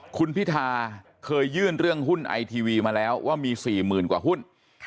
คุณพิธาเคยยื่นเรื่องหุ้นไอทีวีมาแล้วว่ามี๔๐๐๐กว่าหุ้น